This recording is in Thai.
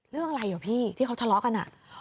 เรื่องอะไรอ่ะพี่ที่เขาทะเลาะกันอ่ะ